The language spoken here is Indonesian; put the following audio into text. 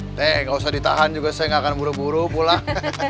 eh gak usah ditahan juga saya nggak akan buru buru pulang